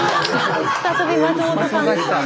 再び松本さん。